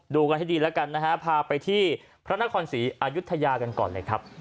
ดูกันให้ดีแล้วกันนะฮะพาไปที่พระนครศรีอายุทยากันก่อนเลยครับ